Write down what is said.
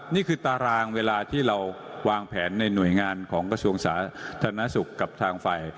นี่คือตารางเวลาที่เราวางแผนในหน่วยงานของกระทรวงสาธารณสุขกับทางฝ่าย